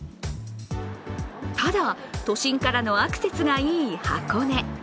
ただ、都心からのアクセスがいい箱根。